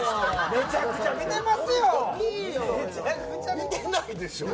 めちゃくちゃ見てますよ